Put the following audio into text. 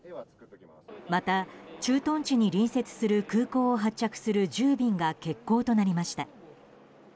また、駐屯地に隣接する空港を発着する１０便が欠航となりました。